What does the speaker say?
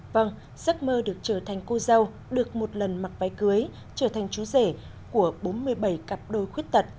vâng giấc mơ được trở thành cô dâu được một lần mặc váy cưới trở thành chú rể của bốn mươi bảy cặp đôi khuyết tật